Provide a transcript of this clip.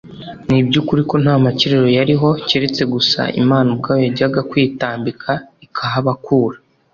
ni iby’ukuri ko nta makiriro yariho keretse gusa imana ubwayo yajyaga kwitambika ikahabakura.